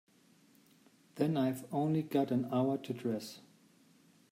Then I've only got an hour to dress.